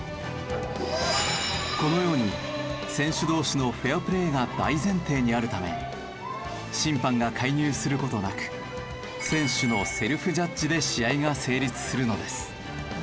このように選手同士のフェアプレーが大前提にあるため審判が介入する事なく選手のセルフジャッジで試合が成立するのです。